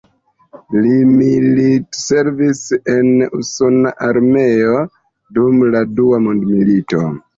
Li militservis en usona aerarmeo dum la Dua Mondmilito.